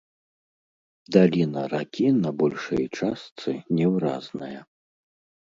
Даліна ракі на большай частцы невыразная.